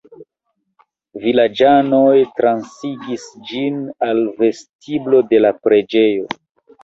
Vilaĝanoj transigis ĝin al vestiblo de la preĝejo.